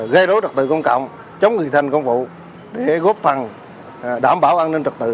gây đối trật tự công cộng chống người thành công vụ để góp phần đảm bảo an ninh trật tự